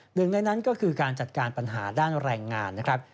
หนึ่งในนั้นก็คือการจัดการปัญหาด้านแรงงานนะครับ